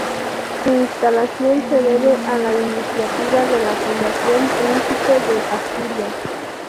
Su instalación se debe a la iniciativa de la Fundación Príncipe de Asturias.